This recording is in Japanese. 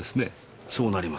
そうなりますね。